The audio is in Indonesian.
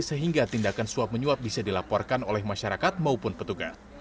sehingga tindakan suap menyuap bisa dilaporkan oleh masyarakat maupun petugas